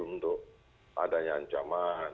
berpotensi untuk adanya ancaman